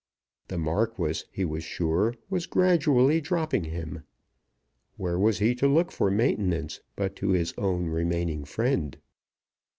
The Marquis, he was sure, was gradually dropping him. Where was he to look for maintenance, but to his own remaining friend?